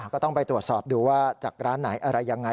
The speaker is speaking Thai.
ก็ต้องไปตรวจสอบดูว่าจากร้านไหนอะไรยังไง